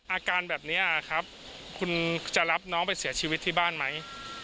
อาการแบบนี้ครับคุณจะรับน้องไปเสียชีวิตที่บ้านไหม